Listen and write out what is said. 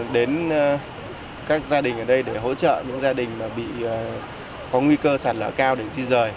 đến các gia đình ở đây để hỗ trợ những gia đình có nguy cơ sản lỡ cao để di rời